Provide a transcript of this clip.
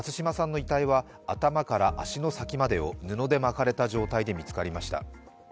頭から足の先までを布で巻かれた状態で見つかりました。